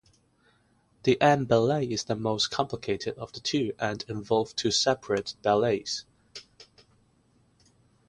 The M-Belay is the most complicated of the two, and involves to separate belays.